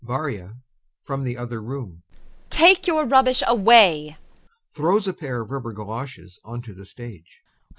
VARYA. [From the other room] Take your rubbish away! [Throws a pair of rubber goloshes on to the stage.